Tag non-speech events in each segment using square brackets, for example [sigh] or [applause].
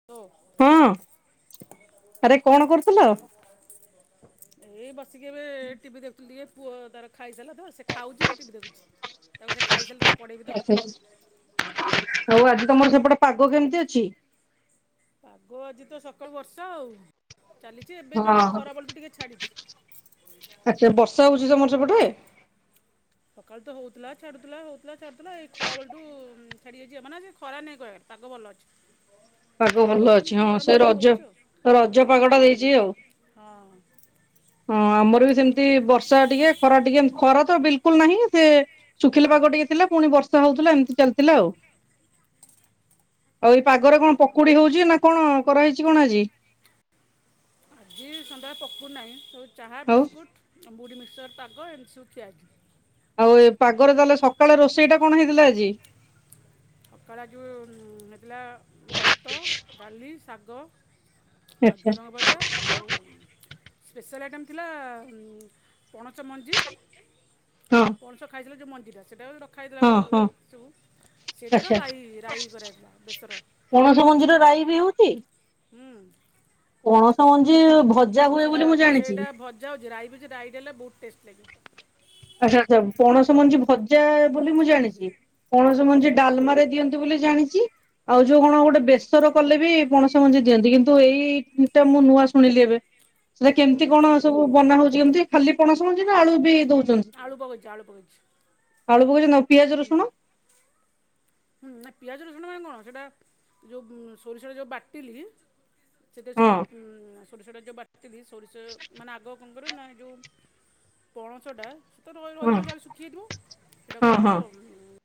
[unintelligible] ହଁ। ଆରେ କଣ କରୁଥିଲ? ଏଇ ବସିକି ଏବେ ଟିଭି ଦେଖୁଥିଲି ଟିକେ। ପୁଅ ତାର ଖାଇସାଇଲା ତ। ସେ ଖାଉଚି, ମୁଁ ଟିଭି ଦେଖୁଛି। ତା ପରେ ସେ ଖାଇସାଇଲେ ତାକୁ ପଢ଼େଇବି ତ ଆଉ ଆଜି ତମର ସେପଟେ ପାଗ କେମିତି ଅଛି? ପାଗ ଆଜି ତ ସକାଳୁ ବର୍ଷା ଆଉ। ଚାଲି ଚି ଏବେ ମାନେ ଖରାବେଳୁଠୁ ଟିକେ ଛାଡ଼ିଛି। ସେ ବର୍ଷା ହେଉଛି, ତମର ସେପଟେ? ସକାଳୁ ତ ହଉଥିଲ, ଛାଡୁଥିଲା। ହଉଥିଲା, ଛାଡୁଥିଲା। ଏଇ ଖରା ବେଳୁଠୁ ଛାଡି ଯାଇଛି ମାନେ, ସେ ଖରା ନାହିଁ କହିବାରେ ପାଗ ଭଲ ଅଛି। ପାଗ ଭଲ ଗରମ ଅଛି। ହଁ ଗରମ ସେ ଟିକେ ଟିକେ ରଜ। ହେଉଛି ଆଉ ହୁଁ ରଜ ପାଗ ଟା ଦେଇଛି ଆଉ। ହଁ। ହଁ ଆମର ବି ସେମିତି ବର୍ଷା ଟିକେ, ଖରା ଟିକେ ଖରା ତ ବିଲକୁଲ୍ ନାହିଁ। ସେ ଶୁଖିଲା ପାଗ ଟିକେ ଥିଲା, ପୁଣି ବର୍ଷା ହଉଥିଲା, ଏମିତି ଚାଲିଥିଲା ଆଉ। ଆଉ ଏଇ ପାଗରେ କଣ ପକୁଡି ହଉଚି, ନା କଣ କରା ହେଇଛି କଣ ଆଜି? ଆଜି ସନ୍ଧ୍ୟାବେଳେ ପକୁଡ଼ି ନାହିଁ। ସବୁ ଚାହା ଆଉ ବିସ୍କୁଟ ମୁୁଢି ମିକ୍ସର୍ ପାଗ ଏମିତି ସବୁ ଖିଆ ହେଇଛି। ଆଉ ଏ ପାଗରେ ତାହେଲେ ସକାଳେ ରୋଷେଇଟା କଣ ହେଇଥିଲା ଆଜି? ସକାଳେ ଯୋଉ ହେଇଥିଲା ଭାତ, ଡାଲି, ଶାଗ। ଆଉ ଆଚ୍ଛା ଝୁଡ଼ଙ୍ଗ ଭଜା। ଆଉ ସ୍ପେଶାଲ୍ ଆଇଟମ୍ ଥିଲା ପଣସ ମଞ୍ଜି। ହଁ ପଣସ ଖାଇଥିଲା ଯୋଉ ମଞ୍ଜିଟା, ସେଇଟା ବି ରଖା ହଁ ହଁ ହେଇଥିଲା ସବୁ। ସେଇଟାର ଆଚ୍ଛା ରାଇ, ରାଇ କରାଯାଇଥିଲା ବେସର। ପଣସ ମଞ୍ଜିର ରାଇ ବି ହଉଚି? ହୁଁ। ପଣସ ମଞ୍ଜି ଭଜା ହୁଏ ବୋଲି ମୁଁ ଜାଣିଛି। ଯାଉଛି ରାଇ ବିଛି ରାଇ ଦେଲେ ବହୁତ ଟେଷ୍ଟ୍ ଲାଗିବ। ଆଚ୍ଛା। ଆଚ୍ଛା। ପଣସ ମଞ୍ଜି ଭଜା ବୋଲି ମୁଁ ଜାଣିଛି। ପଣସ ମଞ୍ଜି ଡାଲମାରେ ଦିଅନ୍ତି ବୋଲି ଜାଣିଚି। ଆଉ ଯୋଉ କଣ ଗୋଟେ ବେସର କଲେ ବି ପଣସ ମଞ୍ଜି ଦିଅନ୍ତି କିନ୍ତୁ ଏଇଟା ମୁଁ ନୂଆ ଶୁଣିଲି ଏବେ। ସେଟା କେମ୍ତି କଣ ସବୁ ବନା ହଉଛି କେମ୍ତି ଖାଲି ପଣସ ମଞ୍ଜି ନା ଆଳୁ ବି ଦଉଚ ଆଳୁ ପକେଇଚି। ଆଳୁ ପକେଇଛି। ଆଳୁ ପକେଇଛନ୍ତି। ଆଉ ପିଆଜ ରସୁଣ? ହୁଁ ନା ପିଆଜ ରସୁଣ [unintelligible] ସେଟା ଯୋଉ ସୋରିଷ ଯୋଉ ବାଟିଲି ସେଟା ହଁ ସବୁ ଉ ସୋରିଷ ଟା ଯୋଉ ବାଟିଲି ସୋରିଷ ମାନେ ଆଗ ର ନା ଯୋଉ ପଣସଟା ତ ର ହଁ ରହିଥିବ ଜାହେଲେ ଶୁଖିଯାଇଥିବ। ହଁ ସେଇଟାକୁ ହଁ ଅ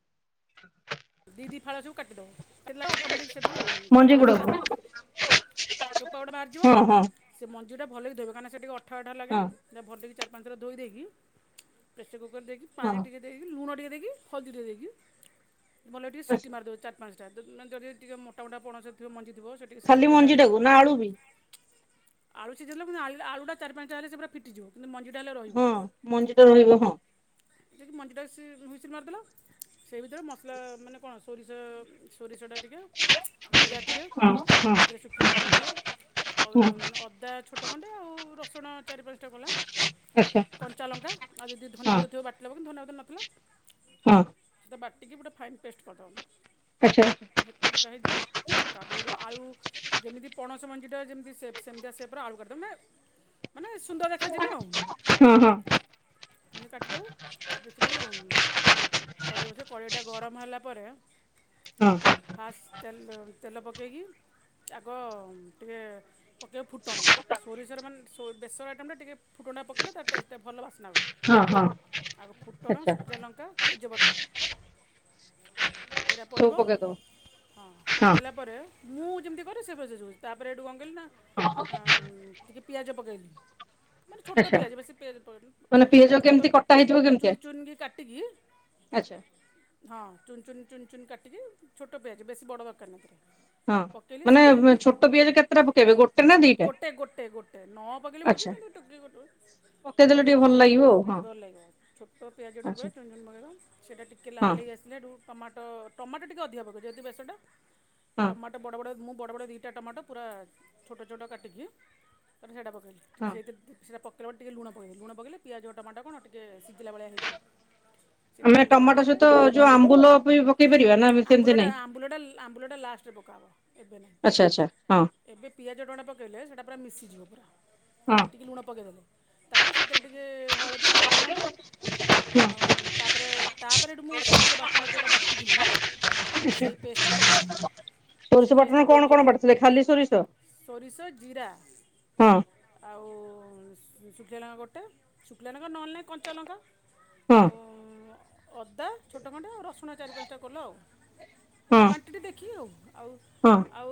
ଦି ଦି ଫାଳ ସବୁ କାଟି ଦବ। [unintelligible] ଅଟୋମେଟିକ୍ ସେଠିରୁ ମଞ୍ଜି ଚୋପାଗୁଡ଼ାକ ଗୁଡାକୁ ବାହାରିବ। ଚୁପାଗୁଡ଼ା ବାହାରିଯିବ। ହଁ ହଁ ସେ ମଞ୍ଜିଟା ଭଲକି ଧୋଇବ। କାରଣ ସେ ଟିକେ ଅଠା ଅଠା ଲାଗେ। ହଁ ସେଟା ଭଲକି ଚାରି ପାଞ୍ଚ ଥର ଧୋଇ ଦେଇକି ପ୍ରେସର କୁକର୍ ଦେଇକି, ହଁ ପାଣି ଟିକେ ଦେଇକି, ଲୁଣ ଟିକେ ଦେଇକି, ହଳଦୀ ଟିକେ ଦେଇକି ଭଲକି ଟିକେ ସିଟି ଆଚ୍ଛା। ମାରିଦେବେ, ଚାର୍ ପାଞ୍ଚଟା ଯଦି ଟିକେ ମୋଟା ମୋଟା ପଣସ ଥିବ ମଞ୍ଜିଥିବ। ସେ ଟିକେ ସିଝିବାକୁ ଖାଲି ଟିକେ ଟାଇମ୍ ଲାଗିବ। ମଞ୍ଜିଟାକୁ ନା ଆଳୁ ବି? ଆଳୁ ସିଝେଇଲେ ପୁଣି ଆଳୁ-ଆଳୁଟା ଚାରି ପାଞ୍ଚଟା ହେଲେ, ସେ ପୁରା ଫିଟିଯିବ କିନ୍ତୁ ମଞ୍ଜିଟା ହେଲେ ରହିବ। ହଁ ମଞ୍ଜି ଟା ରହିବ ହଁ। ଯଦି ମଞ୍ଜିଟା ହ୍ଵିସିଲ୍ ମାରିଦେଲ, ସେଇ ଭିତରେ ମସଲା ମାନେ କଣ ସୋରିଷ ସୋରିଷଟା ଟିକେ ଜିରା ଟିକେ। ହଁ ହଁ ସେଥିରେ [unintelligible] ଟିକେ ଅ ହଁ ଅଦା ଛୋଟ ଖଣ୍ଡେ ଆଉ ରସୁଣ ଚାରି ପାଞ୍ଚଟା କୋଲା। ଉଁ ହୁଁ। କଞ୍ଚା ଲଙ୍କା ଆଉ ଯଦି ଧନିଆପତ୍ର ଥିବ ବାଟିଲ ହବ କିନ୍ତୁ ଧନିଆପତ୍ର ନଥିଲା। ହଁ। ବାଟିିକି ପୁରା ଫାଇନ୍ ପେଷ୍ଟ କରିଦବ। ଆଚ। ହେ ହେଟା ହେଇଯିବ ତାପରେ ହେଠୁ ଆଳୁ। ଯେମିତି ପଣସ ମଞ୍ଜିଟା ଯେମତି ସେପ୍ ସେମିତି ସେପ୍ ର ଆଳୁ କାଟି ଦବ ନେ ମାନେ ସୁନ୍ଦର ଦେଖାଯିବେ ଆଉ। ହଁ ହଁ। କାଟିଦବ ତାପରେ ସେଠୁ କଡେଇ ବସେ କଡେଇଟା ଗରମ ହେଲା ପରେ ହଁ ଫାଷ୍ଟ ତେଲ ତେଲ ପକେଇକି। ଆଗ ଟିକିଏ ପକେଇବ ଫୁଟଣ। ସୋରିଷର ମାନେ ସୋ ବେସର ଆଇଟମରେ ଟିକେ ଫୁଟୁଣ ଡା ପକେଇଲେ ତା ଟେଷ୍ଟଟା ଭଲ ବାସନା ହୁଏ। ହଁ ହଁ ଆଉ ଫୁଟଣ, ଆଚ୍ଛା ଶୁଖିଲାଲଙ୍କା, ତେଜପତ୍ର। ଏଇରା ସବୁ ପଡ଼ିବ ପକେଇଦବ ହଁ ପକେଇଲା ପରେ। ମୁଁ ଯେମିତି କରେ ସେ [unintelligible] ତାପରେ ଏଠୁ କଣ କଲିନା। ଆଉଁ ଟିକିଏ ପିଆଜ ପକେଇଲି। ମାନେ ଛୋଟ ଆଚ୍ଛା ପିଆଜ ବେଶୀ ପିଆଜ ପ ମାନେ ପିଆଜ କେମିତି ଛୋଟ କଟା ହେଇଯିବ କେମିତିଆ ଚୁନ ଚୁନକି କାଟିକି। ଆଚ୍ଛା। ହଁ ଚୁନଚୁନ ଚୁନଚୁନ କାଟିକି ଛୋଟ ପିଆଜ ବେଶୀ ବଡ଼ ଦରକାରନି ଏଥିରେ। ହଁ ପକେଇଲି ସେ ମାନେ ପିଆଜ ଟି ଛୋଟ ପିଆଜ କେତେଟା ପକେଇବେ ଗୋଟେ ନା ଦିଟା ଗୋଟେ ଗୋଟେ ଗୋଟେ ନ ପକେଇଲେ ହଉଜି ଆଚ୍ଛା କିନ୍ତୁ [unintelligible] ପକେଇଦେଲେ ଯଉ ଟିକେ ଗୋ ଭଲ ଲାଗିବ ଆଉ ହଁ ଭଲଲାଗିବ ଛୋଟ ପିଆଜ ଡବା ଆଚ୍ଛା ଚୁନ ଚୁନ ବଗେଇବା। ସେଟା ଟିକିଏ ହଁ ଲାଲ୍ ହେଇ ଆସିଲା ଠୁ ଟମାଟୋ ଟମାଟୋ ଟିକେ ଅଧିକା ପକ ଯଦି ବେସରଟା। ହଁ ଟମାଟୋ ବଡ଼ ବଡ଼ ମୁଁ ବଡ଼ ବଡ଼ ଦିଇଟା ଟମାଟୋ ପୁରା ଛୋଟ ଛୋଟ କାଟିକି ତାପରେ ସେଟା ପ କେଇଲି ହଁ ସେଇ ଦି ସେରା ପକେଇଲା ବଳେ ଟିକେ ଲୁଣ ପକେଇ ଦେଲେ ଲୁଣ ପକେଇଲେ ପିଆଜ ଟମାଟ କଣ ଟିକିଏ ସିଝିଲା ଭଳିଆ ହେଇଯିବ। ଆମେ ସେଥିରେ ଲୁଣ ଟମାଟୋ ଟିକେ ସହିତ ଯୋଉ ଆମ୍ବୁଲ ବି ପକେଇ ପାରିବା ନା ସେମିତି ଆମ୍ବୁଲଟା ନାହିଁ। ଆମ୍ବୁଲଟା ଆମ୍ବୁଲଟା ଲାଷ୍ଟରେ ପକାହେବ ଏବେ ନାହିଁ ଆଚ୍ଛା ଆଚ୍ଛା ହଁ। ଏବେ ପିଆଜ ଟଣା ପକେଇଲେ ସେଟା ପୁରା ମିଶିଯିବ ପୁରା ହଁ ଟିକେ ଲୁଣ ପକେଇଦେଲେ। ତାପରେ ସେଥିରେ ଟିକେ ହଳଦୀ ଲଙ୍କାଗୁଣ୍ଡ ହଁ ଆଉ। ତାପରେ ତାପରେ ହେଠୁ ମୁଁ ସୋରିଷ ବାଟଣଟା ଯଉଟା ବାଟିଥିଲି ସେଇ ପେଷ୍ଟଟା ପକେଇଲି। ସୋରିଷ ବାଟଣା କଣ କଣ ବାଟି ଥିଲେ ଖାଲି ସୋ ସୋରିଷ, ଜିରା। ହଁ ଆଉ ଶୁଖିଲା ଲଙ୍କା ଗୋଟେ ଶୁଖିଲା ଲଙ୍କା ନହେଲେ ନାହିଁ କଞ୍ଚା ଲଙ୍କା। ହଁ ଆଉ। ଅଦା ଛୋଟ ଖଣ୍ଡେ ଆଉ ରସୁଣ ଚାରି ପାଞ୍ଚଟା କୋଲ ଆଉ ହଁ କ୍ୱା ଟିଟି ଦେଖି ଆଉ ଆଉ ହଁ ଆଉ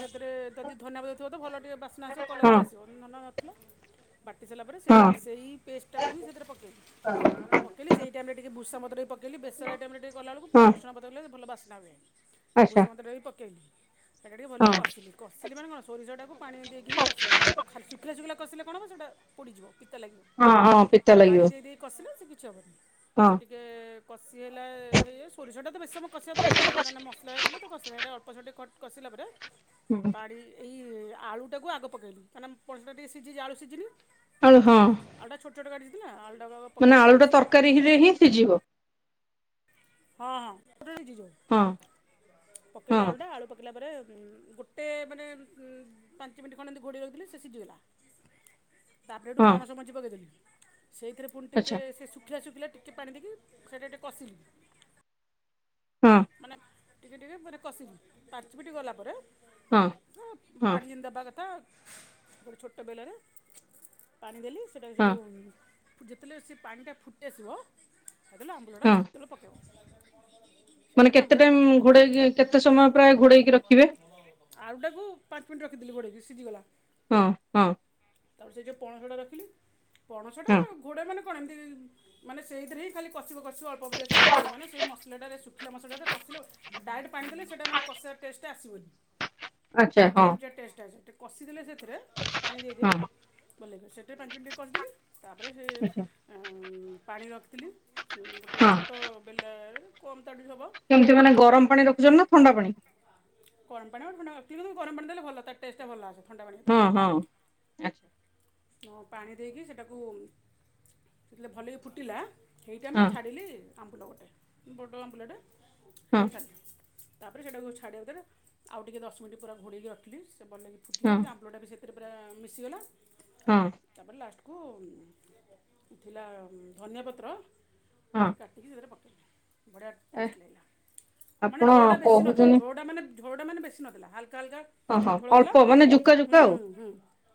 ସେଥିରେ ଯଦି ଧନିଆ ପତ୍ର ଥିବ ତ ଭଲ ଟିକେ ବାସ ନା କଲର ବି ହଁ ଆସିବ। ନନା ନଥିଲା ବାଟି ସାରିଲା ପରେ ସେ ହଁ ସେଇ ପେଷ୍ଟଟାକୁ ହିଁ ସେଥିରେ ପକେଇ ପକେଇଲି ସେଇ ଟାଇମରେ ଟିକିଏ ଭୂଷା ପତ ଟିକେ ପକେଇଲି ବେଷର ଆଇଟମରେ ଟିକେ କଲା ବେଳକୁ ପ ହଁ ଭୁଷଣା ପତକଲେ ଭଲ ବାସ୍ନା ହୁଏ। ଆଚ୍ଛା ଭୁ୍ରସଙ୍ଗ ପତର ବି ପକେଇଲି। ସେଇଟା ଟିକେ ଭଲିକି ହଁ କଷିଲି କଷିଲି ମାନେ କଣ ସୋରିଷଟକୁଣି ଦେଇକିଁ କଷିବ ନ ଖ ଶୁଖିଲା ଶୁଖିଲା କସିଲେ କଣ ହେବ ସେଇଟା ପୋଡ଼ିଯିବ ପୀତା ଲାଗିବ ହଁ ହଁ ପିତା ପାପି ଲାଗିବ ଦେଇ ଦେଇ କସିଲେ ସେ କିଛି ହେବନି ହଁ ସେଟି ଟିକେ କଷି ହେଲା ହେଇ ସୋରିଷଟା ତ ବେଶୀ ସମ କଷିବା ଦରକାର ନାହିଁ କାହିଁକି ମସଲା ହେଇଲେତ କସିଲି ଏଟା ଅଳ୍ପେ କସିଲା ପରେ ହୁଁ। ପାଡ଼ି ଏଇ ଆଳୁଟାକୁ ଆଗ ପକେଇଲି କାହିଁିନା ପଣଞ୍ଚଟା ଟିକେ ସିଝିଛି ଆଳୁ ସିଝିନି ଆଉ ହଁ। ଆଳୁଟା ଛୋଟ ଛୋଟ କାଟି ଥିଲିନା ଆଳୁଟା ପକେଇଦଥିଲି ସେ ସେବି ସିଝିବ। ହଁ ହଁ ଜଳିଯିବ ହଁ ହଁ ପକେଇଲେ ଆଳୁଟା ଆଳୁ ପକ୍ ପକେଇଲା ପରେ ଗୋଟେ ମାନେ ପାଞ୍ଚ ମିନିଟ୍ ଖଣ୍ଡେ ଏମିତି ଘୋଡ଼େଇକି ରହିଦେଲେ ସେ ସିଝିଗଲା। [inaudible] ତାପରେ ଏଠୁ ପଣସ ମଞ୍ଚି ପକାଇଦେଲି ସେଇଥିରେ ପୁଣି ଟିକେ ଆଚ୍ଛା ସେ ଶୁଖିଲା ଶୁଖିଲା ଟିକ୍ ଟିକେ ପାଣି ଦେଇକି ସେଇଟା ଟିକେ କଷିଲି ହଁ। ମାନେ ଟିକେ ଟିକେ ପରେ କଷିବି ପାଞ୍ଚ ମିନିଟ୍ ଗଲା ପରେ ହଁ ହୁଁ ହଁ ପାଡ଼ି ଯେମିତି ଦବା କଥା ଗୋଟେ ଛୋଟ ବେଲାରେ ପାଣି ଦେଲି ସେଇଟା ହଁ ସେଠୁ ଯେତେଏଲେ ସେ ପାଣିଟା ଫୁଟି ଆସିବ [inaudible] ତାପରେ ଅମ୍ବୁଲଟା ହଁ ସେତେବେଳେ ପକେଇବ। ମାନେ କେତେ ଟାଇମ୍ ଘୋଡେଇକି କେତେ ସମୟ ପ୍ରାୟ ଘୋଡେଇକି ରଖିବେ? ଆଳୁଟାକୁ ପାଞ୍ଚ ମିନିଟ୍ ରଖିଥିଲି ଘୋଡେ଼ଇ କି ସିଝିଗଲା। ହଁ ହଁ। ତାପରେ ସେ ଯୋଉ ପଣସଟା ରଖିଲି ପଣସଟା ହଁ ଘୋଡେ଼ଇ ମାନେ କଣ ଏମତି ଇ ମାନେ ସେଇଥିରେ ହି ଖାଲି କସିବ କସିବ ଅଳ୍ପ କସିବ ମାନେ ସେଇ ମସଲାଟାରେ ସୁ ସୁଖିଲା ମସଲାଟାରେ କଷିଲ ଆ ଡାଇରେଟ୍ ପାଣି ଦେଲେ ସେଟା ମାନେ କିଷିବାର ଟେଷ୍ଟଟା ଆସିବନି। ଆଚ୍ଛା ପାଞ୍ଚ ହଁ ମିନିଟରେ ଟେଷ୍ଟ ଆସେ ଟିକେ କଷିଦେଲେ ସେଥିରେ ପାଣି ଦେଇ ହଁ ଦେଇ ଭଲ ଲାଗିବ ସେଠିରେ ପାଞ୍ଚ ମିନିଟ୍ କଷିଦେଲି ତାପରେ ସେ ଆଚ୍ଛା ଆଁ ପାଣି ରଖିଥିଲି। ଉଁ ଗୋଟେଏ ହଁ ଛୋଟ ବେଲାରେ କମ୍ ତାଡ଼ି ହବ। କେମିତି ମାନେ ଗରମ ପାଣି ରଖୁଛନ୍ତି ନା ଥଣ୍ଡା ପାଣି? ଗରମ ପାଣି ହୋଉ ଥଣ୍ଡା କିନ୍ତୁ ଗରମ ପାଣି ଦେଲେ ଭଲ ତାର ଟେଷ୍ଟଟା ଭଲ ଆସେ। ଥଣ୍ଡା ପାଣି ହଁ ଦବା ହଁ ଆଚ୍ଛା ଅଁ ପାଣି ଦେଇକି ସେଟାକୁ ଯେତେବେଳେ ଭଲକି ଫୁଟିଲା। ସେଇ ଟାଇମ୍ ରେ ହଁ ଛାଡ଼ିଲି ଆମ୍ବୁଲ ଗୋଟେ ବଡ଼ ଆମ୍ବୁଲଟେ ସେଇଟା ହଁ ମୁଁ ଛାଡ଼ିଲି। ତାପରେ ସେଟାକୁ ଛାଡ଼ିବାକୁ ଭିତରେ ଆଉ ଟିକେ ଦଶ ମିନିଟ୍ ପୁରା ଭଲକି ଘୋଡ଼େଇକି ରଖିଲି ସେ ଭଲକି ଫୁିଟିଲା ହଁ ସେ ଆମ୍ବୁଲଟାବି ସେ ସେଟା ପୁରା ମିଶିଗଲା ହଁ। ତାପରେ ଲାଷ୍ଟକୁ ଥିଲା ଧନିଆ ପତ୍ର ହଁ ଟିକେ କାଟିକି ତାଧିରେ ପକେଇଲି। ବଢ଼ିଆ ଏ ଟେଷ୍ଟ ଲାଗିଲା ମାନେ ଆପଣ ଝୋଳଟା ବେଶୀ ନଥିଲା କହୁଛନ୍ତି ଝୋଳଟା ମାନେ ଝୋଳଟା ମାନେ ବେଶୀ ନଥିଲା ହଲକା ହାଲକା ହଁ ହଁ ଝୋଳ ଥିଲା ଅଳ୍ପ ମାନେ ଜୁକା ଜୁକା ହୁଁ ଆଉ ହୁଁ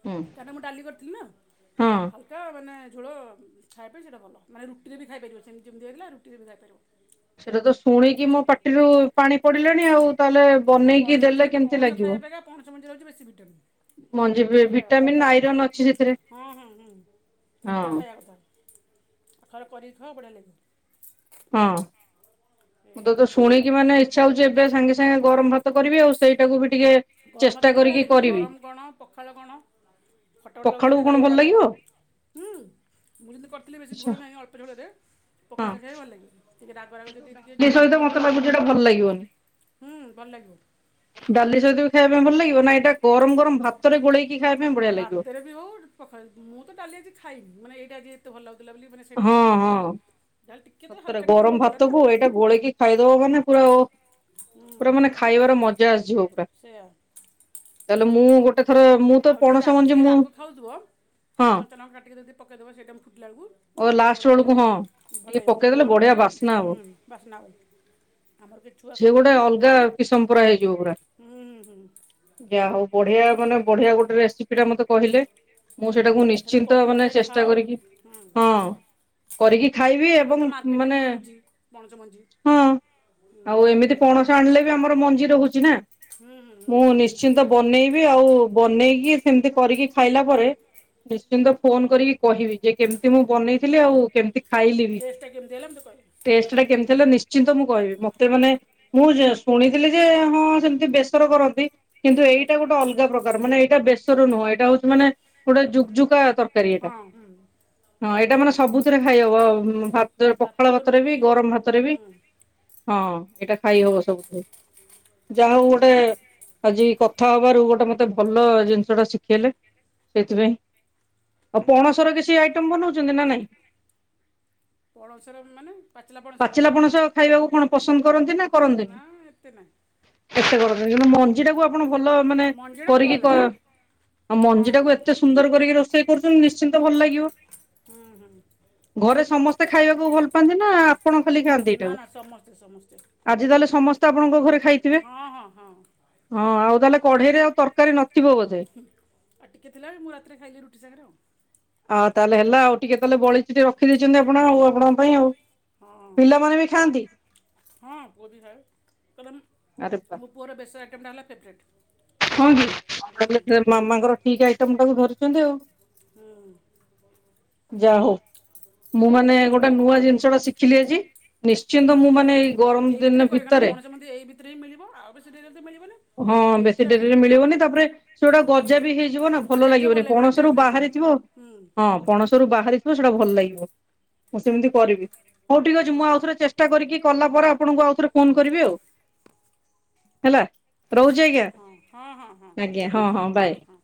ହଁ କାହିଁକିନା ମୁଁ ଡାଲି କରିଥିଲିନା ହଁ ହାଲୁ ସେଇଟା ମାନେ ଝୋଳ ଖାଇବା ପାଇଁ ସେଇଟା ଭଲ ମାନେ ରୁଟିରେବି ଖାଇପାରିବ ସେମିତି ଯେମିତି ହେଲା ରୁଟିରେବି ଖାଇପାରିବ। ସେଇଟାତ ଶୁଣିକି ମୋ ପାଟିରୁ ପାଣି ପଡିଲାଣି ଆଉ ତାହେଲେ ଆଉ ବନେଇକି ପଣସ ମଞ୍ଜିଟା ଦେଲେ କେମିତି ପଣସ ଖାଇବା ଲାଗିବ। ଅପେକ୍ଷା ପଣସ ମଞ୍ଜିରେ ହୋଉଚି ବେଶୀ ମଞ୍ଜି ଭଟାମିନ୍ ଆ ଖାଇବା ଭିଟାମିନ୍ ଆଇରନ୍ ଅଛି ସେଥିରେ ହଁ ହଁ ହଁ। ହଁ ହେଟା ଖାଇବା କଥା ଥରେ କରିକି ଖାଆ ବଢିଆ ଲାଗିବ। ହଁ। ଏ, ମୋତେ ତ ପ- ଶୁଣିକି ମାନେ ଇଚ୍ଛା ହଉଛି ଏବେ ସାଙ୍ଗେ ସାଙ୍ଗେ ଗରମ ଭାତ କରିବି ଆଉ ସେଇଟାକୁ ବି ଟିକେ ଗରମ ଚେଷ୍ଟା ଭାତରେ ତ ବଢିଆ କରିକି ଲାଗିବ କରିବି ଗରମ କଣ ପଖାଳ କଣ ଖଟା ଖଟା ଲାଗୁଥିବ ପଖାଳକୁ ଟିକେ କଣ ରାଗ ଭଲ ରାଗ ଲାଗିବ ହୁଁ, ମୁଁ ଯେମିତି କରିଥିଲି ବେଶୀ ଆଛା ଝୋଳ ନାହିଁ ଅଳ୍ପ ଝୋଳରେ ପଖାଳ ହଁ। ସାଙ୍ଗେ ଖାଇବ ଭଲ ଲାଗିବ ଟିକେ ରାଗ ରାଗ ଯଦି ଟିକେ ଡାଲି ଯିଏ ରାଗ ସହିତ ମତେ ଖାଉଥିବ ଲାଗୁଛି ଏଇଟା ଭଲ ଲାଗିବନି ହୁଁ ଭଲ ଲାଗିବ। ଡାଲି ସହିତ ବି ଖାଇବା ପାଇଁ ଭଲ ଲାଗିବ ନା ଏଇଟା ଗରମ ଗରମ ଭାତରେ ଗୋଳେଇକି [inaudible] ଖାଇବା ପାଇଁ ବଢିଆ ଲାଗିବ ଭାତରେ ବି ହଉ ପଖାଳ ମୁଁ ତ ଡାଲି ଆଜି ଖାଇନି ମାନେ ଏଇଟା ଆଜି ଏତେ ଭଲ ଲାଗୁଥିଲା ବୋଲି ମାନେ ହଁ, ସେଥିରେ ହିଁ ମୁଁ ଖାଇଲିନି ହଁ। ଯାହେଲେ ଟିକେ ତ ସତରେ ହାଲକା ଟିକେ ଝୋଳ ଗରମ ଥିଲା ନା ଭାତକୁ ଏଇଟା ଗୋଳେଇକି ଖାଇଦବ ମାନେ ପୁରା ଓ ପୁରା ମାନେ ଖାଇବାର ମଜା ଆସିଯିବ ପୁରା ସେଇଆ ତାହେଲେ ମୁଁ ଗୋଟେ ଥର ମୁଁ ତ ଆଉ ଯିଏ ପଣସ ମଞ୍ଜି ରାଜିଏ ମୁଁ ରାଗ ଖାଉଥିବ ହଁ ଟିକେ କଞ୍ଚାଲଙ୍କା କାଟିକି ଯଦି ପକେଇ ଦବ ସେଇ ଟାଇମ ଫୁଟିଲା ବେଳକୁ ଓ ଆଉ ଟିକେ ଲାଷ୍ଟ ରାଗ ଲାଗିଲେ ବେଳକୁ ହଁ ଭଲ ଟିକେ ଲାଗିବ ମୁଁ ପକେଇଦେଲେ ଆମର ବଢିଆ କେବେ ବାସ୍ନା ହବ ହୁଁ ବାସ୍ନା ହୁଏନି। ଆମର କେହି ଛୁଆ ସେ ଖାଇବେନି ଗୋଟେ ବୋଲି ଅଲଗା କିସମ ପୁରା ହେଇଯିବ ପୁରା। ହୁଁ, ହୁଁ [unintelligible] ଯାହା ହଉ ବଢିଆ ମାନେ ବଢିଆ ଗୋଟେ ରେସିପି ଟା ମତେ କହିଲେ। ମୁଁ ସେଇଟାକୁ ସେଟା ନିଶ୍ଚିନ୍ତ କରିକି ମାନେ ଥରେ ଖାଅ ଚେଷ୍ଟା କରିକି ହଁ ହୁଁ। କରିକି ଖାଇବି ଏବେ ଏବଂ ତ ମାର୍କେଟରେ ମାନେ ବି ମିଳୁଛି ପଣସ ମଞ୍ଜି ହଁ। ହୁଁ, ଆଉ ଆଣିକି ଏମିତି କରି- ପଣସ ଆଣିଲେ ବି ଆମର ମଞ୍ଜି ରହୁଛି ନା ହୁଁ ହୁଁ ହୁଁ ମୁଁ ନିଶ ନିଶ୍ଚିନ୍ତ ବନେଇବି ଆଉ ବନେଇକି ସେମିତି କରିକି ଖାଇଲା ପରେ ନିଶ୍ଚିନ୍ତ ଫୋନ କରିକି କହିବି ଯେ କେମିତି ମୁଁ ବନେଇଥିଲି ଆଉ କେମିତି ଖାଇଲି ବି। ଟେଷ୍ଟ ଟା କେମତି ହେଲା ମତେ କହିବେ। ଟେଷ୍ଟ ଟା କେମିତି ହେଲେ ନିଶ୍ଚିନ୍ତ ମୁଁ କହିବି ମୋତେ ମାନେ ମୁଁ ଶୁଣିଥିଲି ଯେ ହଁ ସେମିତି ବେସର କରନ୍ତି କିନ୍ତୁ ଏଇଟା ଗୋଟେ ଅଲ ଅଲଗା ପ୍ରକାର ମାନେ ଏଇଟା ବେଶର ନୁହଁ ଏଇଟା ହଉଛି ମାନେ ଗୋଟେ ଜୁଗଝୁକା ତ ହଁ, ହୁଁ। ହଁ, ଏଇଟା ମାନେ ସବୁଥିରେ ଖାଇହବ ଭାତ ପଖାଳ ଭାତରେ ବି ଗରମ ଭାତରେ ବି। ହୁଁ ହଁ, ଏଇଟା ଖାଇ ହବ ସବୁଥିରେ। ଯାହା ହଉ ଗୋଟେ ଆଜି କଥା ହବାରୁ ଗୋଟେ ମତେ ଭଲ ଜିନିଷ ଟା ଶିଖେଇଲେ। ସେଥିପାଇଁ ଆଉ ପଣସ ର କିଛି ଆଇଟମ୍ ବନଉଛନ୍ତି ନା ନାଇଁ। ପଣସର ମାନେ ପଣସ ପାଚିଲା ପଣସ ଖାଇବାକୁ କଣ ପସନ୍ଦ କରନ୍ତି ନା କରନ୍ତିନି। ନା ଏତେ ନାହିଁ ଏତେ କରନ୍ତି ନି କିନ୍ତୁ ମଞ୍ଜିଟା କୁ ଆପଣ ଭଲ ମାନେ ମଞ୍ଜିଟା ମୋତେ ଭଲ କରିକି ଲାଗେ [unintelligible] ଆଉ ହଁ ମଞ୍ଜି ହଁ ଟାକୁ ଏତେ ସୁନ୍ଦର କରିକି ରୋଷେଇ କରୁଛନ୍ତି ନିଶ୍ଚିନ୍ତ ଭଲ ଲାଗିବ। ହଁ, ହୁଁ। ଘରେ ସମସ୍ତେ ଖାଇବାକୁ ଭଲ ପାଆନ୍ତି ନା ଆପ ଆପଣ ଖାଲି ଖାଆନ୍ତି ନା ଏଇଟାକୁ ନା ସମସ୍ତେ ସମସ୍ତେ ଆଜି ତାହଲେ ସମସ୍ତେ ଆପଣଙ୍କ ଘରେ ଖାଇଥିବେ। ହଁ ହଁ ହଁ ହଁ, ଆଉ ତାହେଲେ କଢେଇରେ ଆଉ ତରକାରୀ ନଥିବ ବୋଧେ। ହୁଁ, ଆଉ ଟିକିଏ ଥିଲାବେଳେ ମୁଁ ରାତିରେ ଖାଇଲି ରୁଟି ସାଗରେ ଆଉ। ଆଉ ତାହେଲେ ହେଲା ଆଉ ଟିକେ ତାହେଲେ ବଳିଚି ରଖି ଦେଇଛନ୍ତି ଆପଣ ଆଉ ଆପଣଙ୍କ ପାଇଁ ଆଉ। ହଁ ପିଲାମାନେ ବି ଖାଆନ୍ତି। ହଁ, ପୁଅଭି ଖାଏ କହିଲେ ଆରେ ବା ମୋ ପୁଅର ବେଶ ଆଇଟମ୍ ଟା ହେଲା ଫେଭ୍ରେଟ। ହଁ, ଅପା ତ ମାମାଙ୍କର ଠିକ୍ ଆଇଟମ ଟାକୁ ଧରିଛନ୍ତି ଆଉ [unintelligible] ହଁ। ଯାହା ହଉ ମୁଁ ମାନେ ଗୋଟେ ନୂଆ ଜିନିଷ ଟା ଶିଖିଲି ଆଜି ନିଶ୍ଚିନ୍ତ ମୁଁ ମାନେ। ଗରମ ଏଇ ଦିନ ଭିତରେ କରିବି କାଇଁ ନା ପଣସମଞ୍ଜି ଏଇ ଭିତରେ ହି ମିଳିବ, ଆଉ ବେଶୀ ଡେରି ହେଲେ ତ ମିଳିବନି। ହଁ ଏଇ ବେଶୀ ଭିତରେ ଆଣିକି ଡେରିରେ କରି ଖାଆନ୍ତୁ ମିଳିବନି। ତାପରେ ସେଗୁଡା ଗଜା ବି ହେଇଯିବ ନା ଗଜା ଭଲ ହେଇଯିବ ଲାଗିବନି, ଲାଗିବ ଟେଷ୍ଟ ପଣସରୁୁ ଲାଗିବନି ବାହାରିଯିବ। ହୁଁ। ହଁ ପଣସ ରୁ ବାହାରିଥିବ ସେଟା ଭଲ ଲାଗିବ, ମୁଁ ସେମିତି କରିବି ହଉ ଠିକ୍ ଅଛି ମୁଁ ହଁ ଆଉ ଥରେ ଚେ ଟା କରିକି କଲା ପରେ ଆପଣଙ୍କୁ ଆଉ ଥରେ ଫୋନ କରିବି ଆଉ, ହେଲା। ରହୁଛି ଆଜ୍ଞା। ହଁ ହଁ ହଁ ହଁ ଆଜ୍ଞା ଠିକ୍ ହଁ ଅଛି ହଁ ହଉ ବାଏ। ହଁ